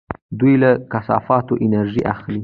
دوی له کثافاتو انرژي اخلي.